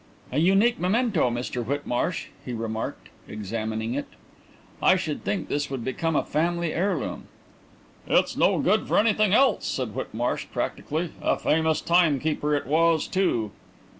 "A unique memento, Mr Whitmarsh," he remarked, examining it. "I should think this would become a family heirloom." "It's no good for anything else," said Whitmarsh practically. "A famous time keeper it was, too."